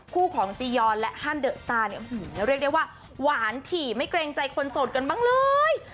คู่ของจียอนและฮันเดอะสตาร์เนี่ยเรียกได้ว่าหวานถี่ไม่เกรงใจคนโสดกันบ้างเลย